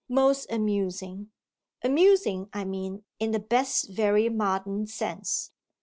most "amusing": amusing I mean in the best very modern sense.